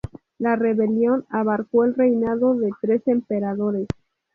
La rebelión abarcó el reinado de tres emperadores.